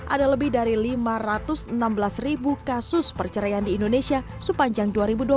ada lebih dari lima ratus enam belas ribu kasus perceraian di indonesia sepanjang dua ribu dua puluh satu